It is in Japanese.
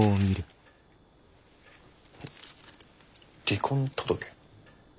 離婚届？